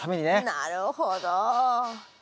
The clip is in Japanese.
なるほど。